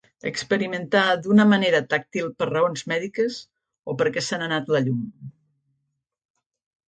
Experimentar d'una manera tàctil per raons mèdiques o perquè se n'ha anat la llum.